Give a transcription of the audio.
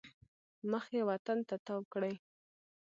مخ یې وطن ته تاو کړی.